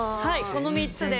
この３つです。